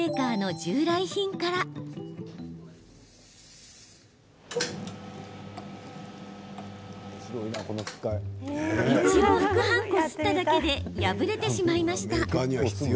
１往復半こすっただけで破れてしまいました。